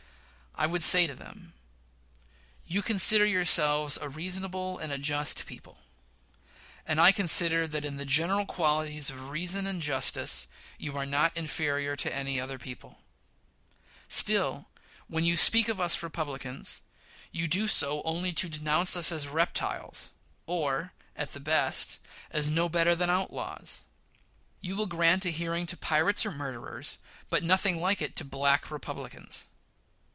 I would say to them: You consider yourselves a reasonable and a just people; and I consider that in the general qualities of reason and justice you are not inferior to any other people. Still, when you speak of us Republicans, you do so only to denounce us as reptiles, or, at the best, as no better than outlaws. You will grant a hearing to pirates or murderers, but nothing like it to "Black Republicans."